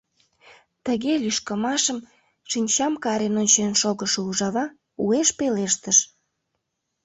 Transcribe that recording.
Тыге лӱшкымашым шинчам карен ончен шогышо ужава уэш пелештыш: